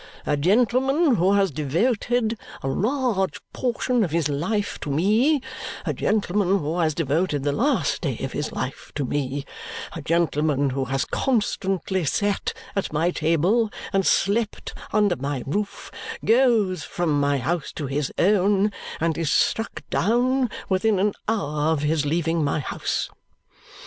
A gentleman who has devoted a large portion of his life to me, a gentleman who has devoted the last day of his life to me, a gentleman who has constantly sat at my table and slept under my roof, goes from my house to his own, and is struck down within an hour of his leaving my house.